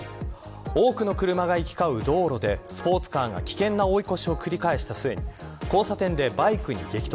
多くの車が行き交う道路でスポーツカーが危険な追い越しを繰り返した末に交差点でバイクに激突。